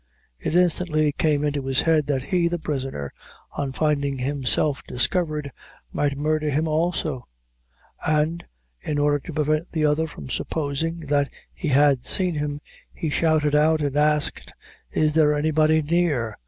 It instantly came into his head that he, the prisoner, on finding himself discovered, might murder him also; and, in order to prevent the other from supposing that he had seen him, he shouted out and asked is there any body near?